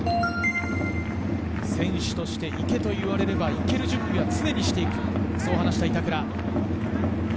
選手として行けといわれれば行ける準備は常にしている、そう話した板倉。